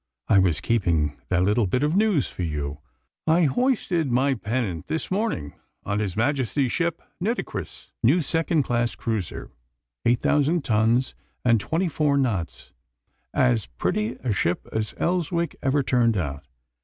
I was keeping that little bit of news for you. I hoisted my pennant this morning on His Majesty's ship Nitocris: new second class cruiser, eight thousand tons, and twenty four knots: as pretty a ship as Elswick ever turned out.